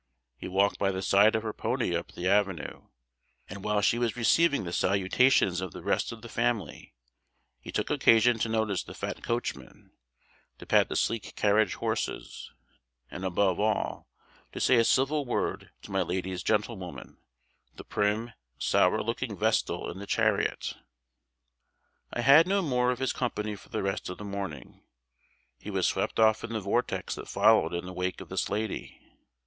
He walked by the side of her pony up the avenue; and while she was receiving the salutations of the rest of the family, he took occasion to notice the fat coachman, to pat the sleek carriage horses, and, above all, to say a civil word to my lady's gentlewoman, the prim, sour looking vestal in the chariot. [Illustration: Arrival of the Widow] I had no more of his company for the rest of the morning. He was swept off in the vortex that followed in the wake of this lady.